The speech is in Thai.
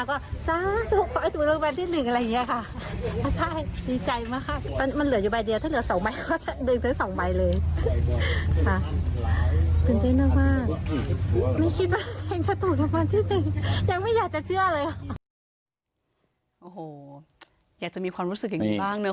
โอ้โหอยากจะมีความรู้สึกอย่างนี้บ้างเนอะ